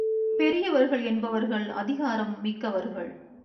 பெரியவர்கள் என்பவர்கள் அதிகாரம் மிக்கவர்கள்.